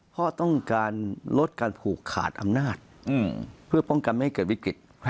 ก็ต้องการลดการผูกขาดอำนาจเพื่อป้องกันให้ไม่เกิดวิกฤต